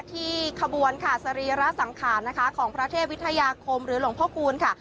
ขบวนค่ะสรีระสังขารนะคะของพระเทพวิทยาคมหรือหลวงพ่อคูณค่ะ